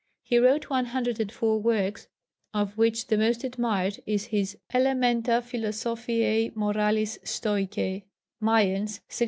He wrote one hundred and four works, of which the most admired is his Elementa philosophiae moralis stoicae (Mayence, 1606).